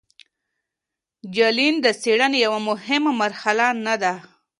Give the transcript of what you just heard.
جلاین د څیړنې یوه مهمه مرحله نه ده.